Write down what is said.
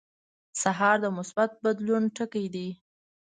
سهار د مثبت بدلون ټکي دي.